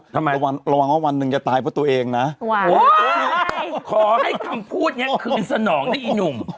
ระวังระวังว่าวันหนึ่งจะตายเพราะตัวเองนะขอให้คำพูดเนี้ยคืนสนองได้อีหนุ่ม